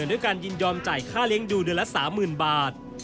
ด้วยการยินยอมจ่ายค่าเลี้ยงดูเดือนละ๓๐๐๐บาท